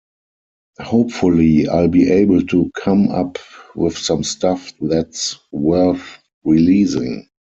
Hopefully I'll be able to come up with some stuff that's worth releasing.